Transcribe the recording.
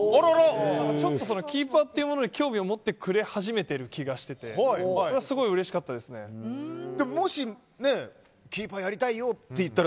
ちょっとキーパーというものに興味を持ってくれ始めている気がしててそれはすごいもしキーパーやりたいよ